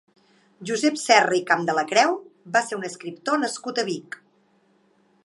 Josep Serra i Campdelacreu va ser un escriptor nascut a Vic.